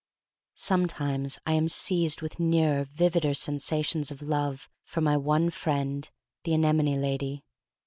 SOMETIMES I am seized with nearer, vivider sensations of love for my one friend, the anemone lady.